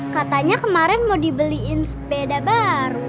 katanya kemarin mau dibeliin sepeda baru